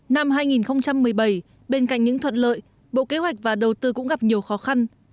năm hai nghìn một mươi bảy bên cạnh những thuận lợi bộ kế hoạch và đầu tư cũng gặp nhiều khó khăn